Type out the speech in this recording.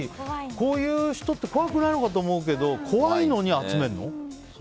こういう人って怖くないのかと思うけど怖いのに集めるの？